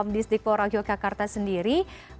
distriku rakyat yogyakarta sendiri